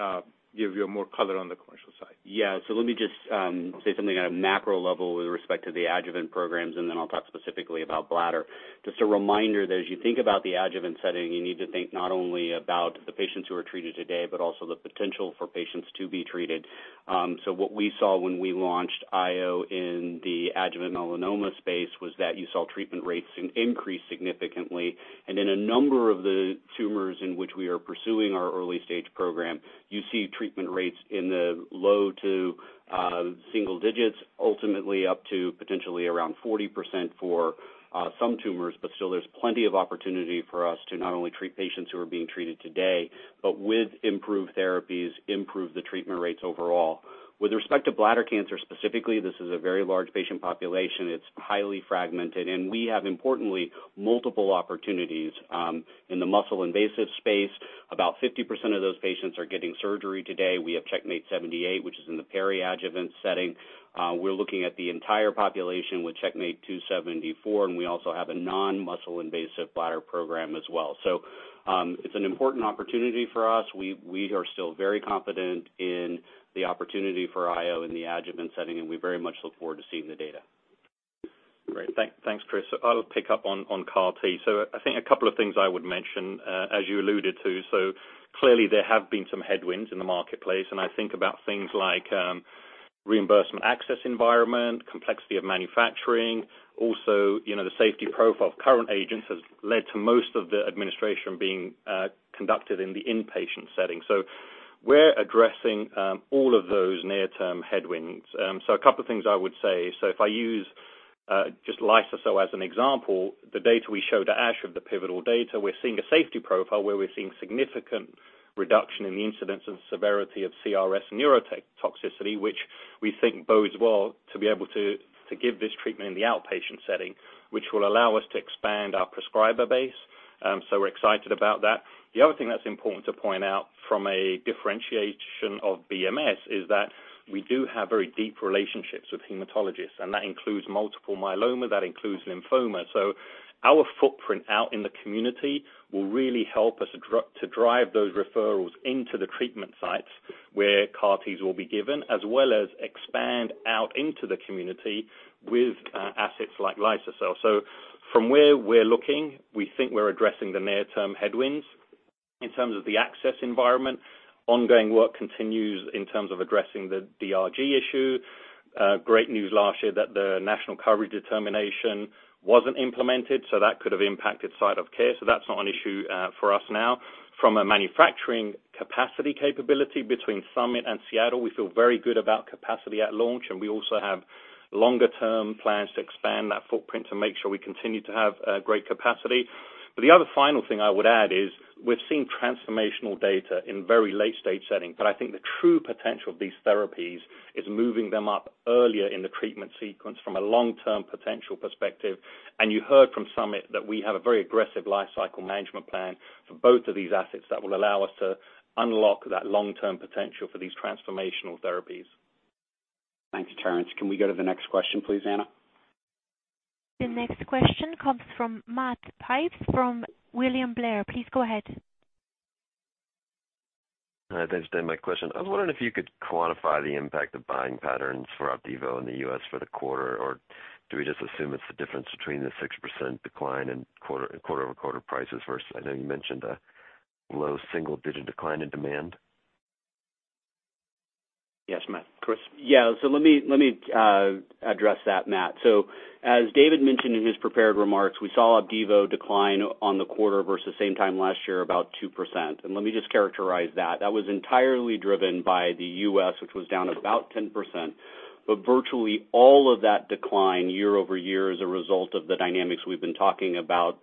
give you more color on the commercial side. Let me just say something at a macro level with respect to the adjuvant programs, and then I'll talk specifically about bladder. Just a reminder that as you think about the adjuvant setting, you need to think not only about the patients who are treated today, but also the potential for patients to be treated. What we saw when we launched IO in the adjuvant melanoma space was that you saw treatment rates increase significantly. In a number of the tumors in which we are pursuing our early stage program, you see treatment rates in the low to single digits, ultimately up to potentially around 40% for some tumors. Still there's plenty of opportunity for us to not only treat patients who are being treated today, but with improved therapies, improve the treatment rates overall. With respect to bladder cancer specifically, this is a very large patient population. It's highly fragmented, and we have, importantly, multiple opportunities in the muscle-invasive space. About 50% of those patients are getting surgery today. We have CheckMate 078, which is in the peri-adjuvant setting. We're looking at the entire population with CheckMate 274, and we also have a non-muscle invasive bladder program as well. It's an important opportunity for us. We are still very confident in the opportunity for IO in the adjuvant setting, and we very much look forward to seeing the data. Great. Thanks, Chris. I'll pick up on CAR T. I think a couple of things I would mention, as you alluded to, clearly there have been some headwinds in the marketplace, and I think about things like reimbursement access environment, complexity of manufacturing. Also, the safety profile of current agents has led to most of the administration being conducted in the inpatient setting. We're addressing all of those near-term headwinds. A couple of things I would say. If I use just as an example, the data we showed at ASH of the pivotal data, we're seeing a safety profile where we're seeing significant reduction in the incidence and severity of CRS neurotoxicity, which we think bodes well to be able to give this treatment in the outpatient setting, which will allow us to expand our prescriber base. We're excited about that. The other thing that's important to point out from a differentiation of BMS is that we do have very deep relationships with hematologists, and that includes multiple myeloma, that includes lymphoma. Our footprint out in the community will really help us to drive those referrals into the treatment sites where CAR Ts will be given, as well as expand out into the community with assets like. In terms of the access environment, ongoing work continues in terms of addressing the DRG issue. Great news last year that the national coverage determination wasn't implemented, that could have impacted site of care. That's not an issue for us now. From a manufacturing capacity capability between Summit and Seattle, we feel very good about capacity at launch, and we also have longer term plans to expand that footprint to make sure we continue to have great capacity. The other final thing I would add is we've seen transformational data in very late-stage settings, but I think the true potential of these therapies is moving them up earlier in the treatment sequence from a long-term potential perspective. You heard from Summit that we have a very aggressive life cycle management plan for both of these assets that will allow us to unlock that long-term potential for these transformational therapies. Thanks, Terence. Can we go to the next question, please, Anna? The next question comes from Matt Phipps from William Blair. Please go ahead. Hi, thanks for taking my question. I was wondering if you could quantify the impact of buying patterns for Opdivo in the U.S. for the quarter, or do we just assume it's the difference between the 6% decline in quarter-over-quarter prices versus, I know you mentioned a low single-digit decline in demand? Yes, Matt. Chris? Yeah. Let me address that, Matt. As David mentioned in his prepared remarks, we saw Opdivo decline on the quarter versus same time last year about 2%. Let me just characterize that. That was entirely driven by the U.S., which was down about 10%, but virtually all of that decline year-over-year is a result of the dynamics we've been talking about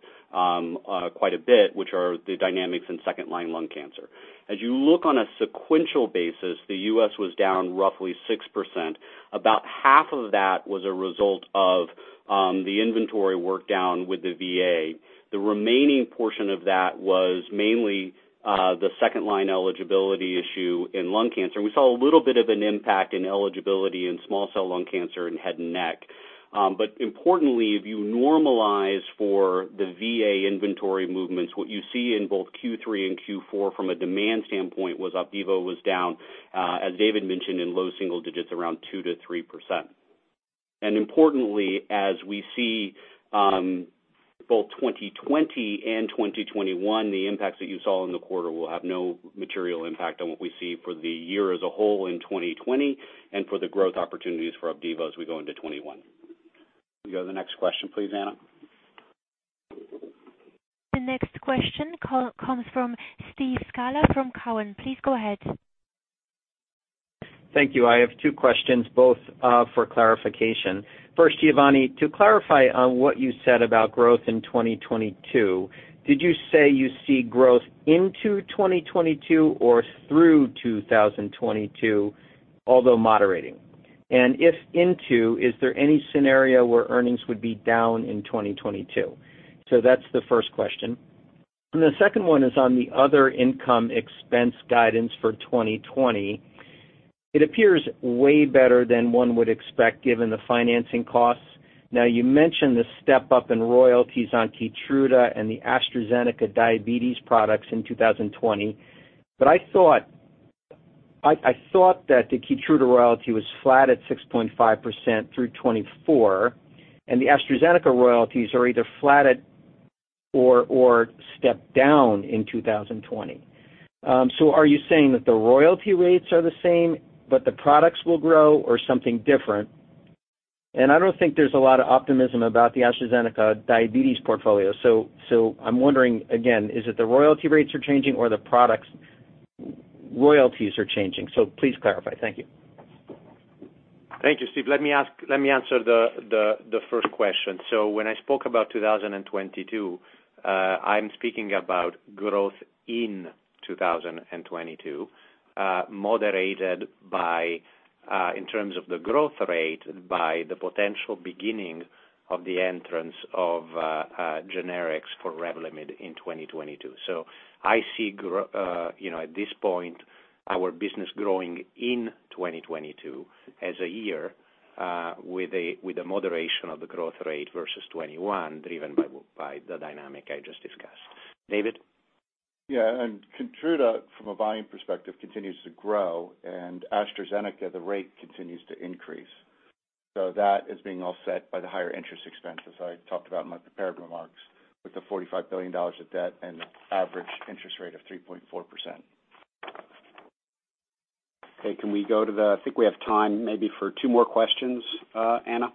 quite a bit, which are the dynamics in second-line lung cancer. As you look on a sequential basis, the U.S. was down roughly 6%. About half of that was a result of the inventory work down with the VA. The remaining portion of that was mainly the second-line eligibility issue in lung cancer, and we saw a little bit of an impact in eligibility in small cell lung cancer and head and neck. Importantly, if you normalize for the VA inventory movements, what you see in both Q3 and Q4 from a demand standpoint was Opdivo was down, as David mentioned, in low single digits, around 2%-3%. Importantly, as we see both 2020 and 2021, the impacts that you saw in the quarter will have no material impact on what we see for the year as a whole in 2020 and for the growth opportunities for Opdivo as we go into 2021. Can we go to the next question please, Anna? The next question comes from Steve Scala from Cowen. Please go ahead. Thank you. I have two questions, both for clarification. First, Giovanni, to clarify on what you said about growth in 2022, did you say you see growth into 2022 or through 2022, although moderating? If into, is there any scenario where earnings would be down in 2022? That's the first question. The second one is on the other income expense guidance for 2020. It appears way better than one would expect given the financing costs. You mentioned the step-up in royalties on Keytruda and the AstraZeneca diabetes products in 2020. I thought that the Keytruda royalty was flat at 6.5% through 2024, and the AstraZeneca royalties are either flat or stepped down in 2020. Are you saying that the royalty rates are the same, but the products will grow or something different? I don't think there's a lot of optimism about the AstraZeneca diabetes portfolio. I'm wondering, again, is it the royalty rates are changing or the product's royalties are changing? Please clarify. Thank you. Thank you, Steve. Let me answer the first question. When I spoke about 2022, I'm speaking about growth in 2022, moderated, in terms of the growth rate, by the potential beginning of the entrance of generics for Revlimid in 2022. I see, at this point, our business growing in 2022 as a year, with a moderation of the growth rate versus 2021, driven by the dynamic I just discussed. David? Yeah. Keytruda, from a volume perspective, continues to grow, and AstraZeneca, the rate continues to increase. That is being offset by the higher interest expense, as I talked about in my prepared remarks, with the $45 billion of debt and average interest rate of 3.4%. Okay. I think we have time maybe for two more questions. Anna?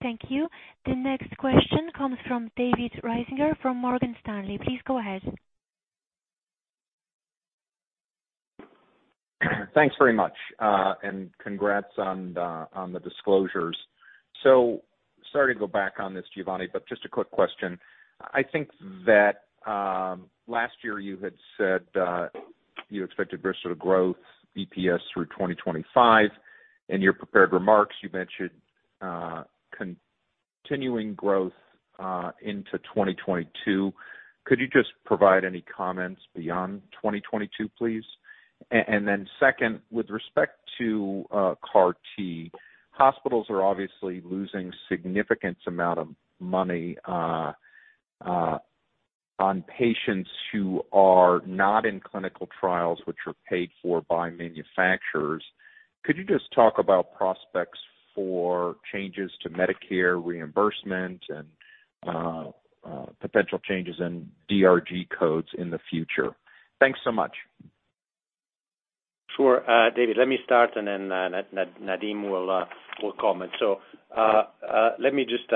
Thank you. The next question comes from David Risinger from Morgan Stanley. Please go ahead. Thanks very much. Congrats on the disclosures. Sorry to go back on this, Giovanni, just a quick question. I think that last year you had said you expected Bristol to grow EPS through 2025. In your prepared remarks, you mentioned continuing growth into 2022. Could you just provide any comments beyond 2022, please? Second, with respect to CAR T, hospitals are obviously losing significant amount of money on patients who are not in clinical trials, which are paid for by manufacturers. Could you just talk about prospects for changes to Medicare reimbursement and potential changes in DRG codes in the future? Thanks so much. Sure. David, let me start, and then Nadim will comment. Let me just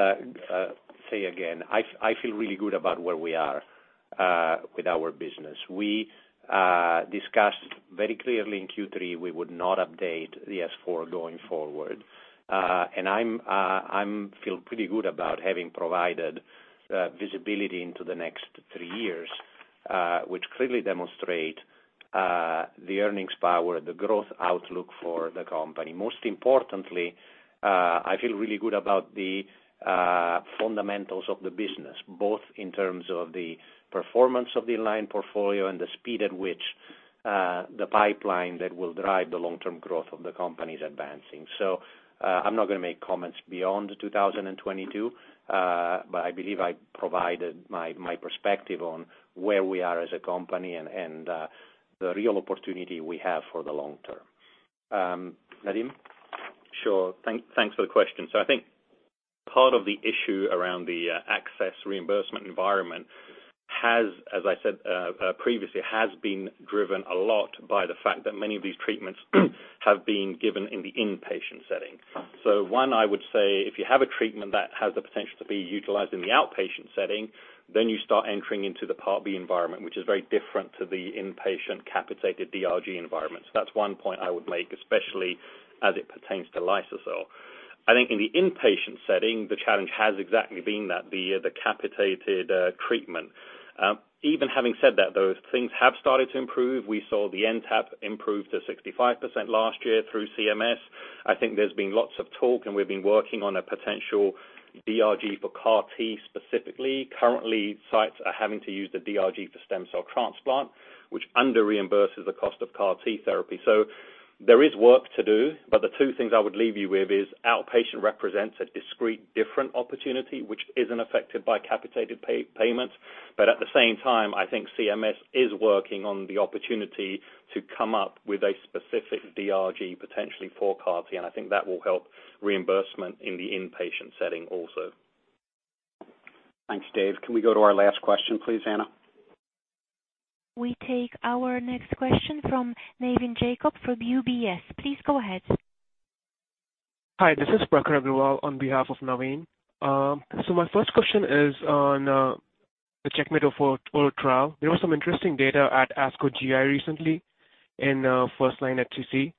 say again, I feel really good about where we are with our business. We discussed very clearly in Q3 we would not update the S-4 going forward. I feel pretty good about having provided visibility into the next three years, which clearly demonstrate the earnings power, the growth outlook for the company. Most importantly, I feel really good about the fundamentals of the business, both in terms of the performance of the aligned portfolio and the speed at which the pipeline that will drive the long-term growth of the company's advancing. I'm not going to make comments beyond 2022, but I believe I provided my perspective on where we are as a company and the real opportunity we have for the long term. Nadim? Sure. Thanks for the question. I think part of the issue around the access reimbursement environment, as I said previously, has been driven a lot by the fact that many of these treatments have been given in the inpatient setting. One, I would say if you have a treatment that has the potential to be utilized in the outpatient setting, then you start entering into the Part B environment, which is very different to the inpatient capitated DRG environment. That's one point I would make, especially as it pertains to. I think in the inpatient setting, the challenge has exactly been that, the capitated treatment. Even having said that, though, things have started to improve. We saw the NTAP improve to 65% last year through CMS. I think there's been lots of talk, and we've been working on a potential DRG for CAR T specifically. Currently, sites are having to use the DRG for stem cell transplant, which under-reimburses the cost of CAR T therapy. There is work to do, but the two things I would leave you with is outpatient represents a discrete different opportunity, which isn't affected by capitated payments. At the same time, I think CMS is working on the opportunity to come up with a specific DRG, potentially for CAR T, and I think that will help reimbursement in the inpatient setting also. Thanks, Dave. Can we go to our last question, please, Anna? We take our next question from Navin Jacob from UBS. Please go ahead. Hi, this is Prakhar Agrawal on behalf of Navin. My first question is on the CheckMate 040 trial. There was some interesting data at ASCO GI recently in first-line HCC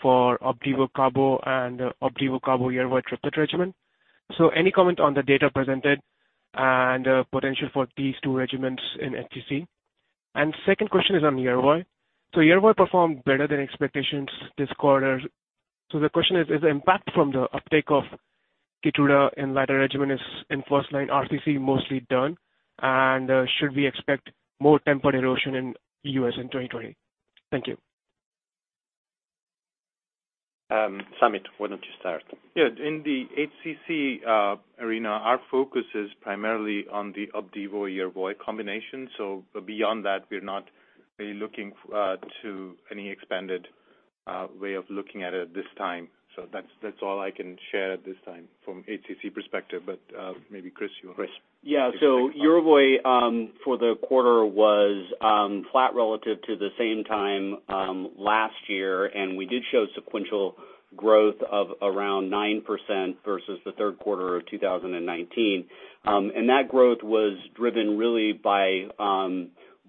for Opdivo/cabo and Opdivo/cabo/Yervoy triplet regimen. Any comment on the data presented and potential for these two regimens in HCC? Second question is on Yervoy. Yervoy performed better than expectations this quarter. The question is the impact from the uptake of Keytruda in latter regimen is in first-line RCC mostly done, and should we expect more temporary erosion in U.S. in 2020? Thank you. Samit, why don't you start? Yeah. In the HCC arena, our focus is primarily on the Opdivo/Yervoy combination. Beyond that, we're not really looking to any expanded way of looking at it this time. That's all I can share at this time from HCC perspective. Maybe Chris, you want to. Chris. Yeah. Yervoy, for the quarter, was flat relative to the same time last year, and we did show sequential growth of around 9% versus the third quarter of 2019. That growth was driven really by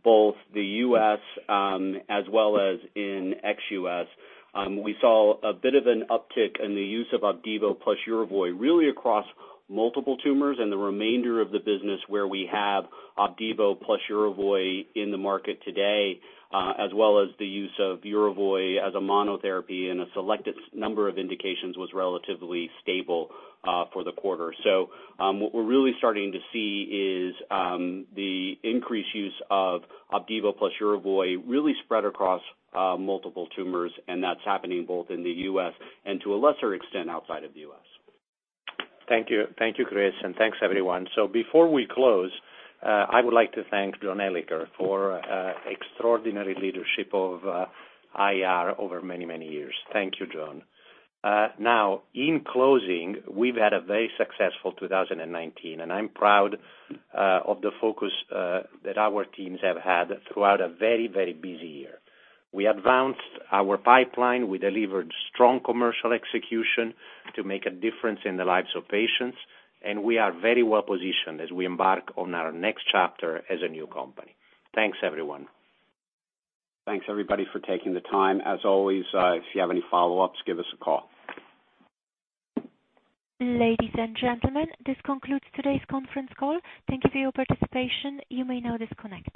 both the U.S. as well as in ex-U.S. We saw a bit of an uptick in the use of Opdivo plus Yervoy, really across multiple tumors and the remainder of the business where we have Opdivo plus Yervoy in the market today, as well as the use of Yervoyas a monotherapy in a selective number of indications was relatively stable for the quarter. What we're really starting to see is the increased use of Opdivo plus Yervoy really spread across multiple tumors, and that's happening both in the U.S. and to a lesser extent, outside of the U.S. Thank you, Chris, and thanks, everyone. Before we close, I would like to thank John Elicker for extraordinary leadership of IR over many, many years. Thank you, John. In closing, we've had a very successful 2019, and I'm proud of the focus that our teams have had throughout a very, very busy year. We advanced our pipeline, we delivered strong commercial execution to make a difference in the lives of patients, and we are very well positioned as we embark on our next chapter as a new company. Thanks, everyone. Thanks, everybody, for taking the time. As always, if you have any follow-ups, give us a call. Ladies and gentlemen, this concludes today's conference call. Thank you for your participation. You may now disconnect.